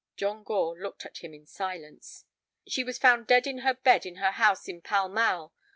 John Gore looked at him in silence. "She was found dead in her bed in her house in Pall Mall.